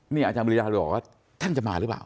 เนี่ยอาจารย์บริญญาบอกว่าท่านจะมาหรือเปล่า